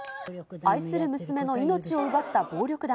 愛する娘の命を奪った暴力団。